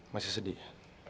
masih sedih ya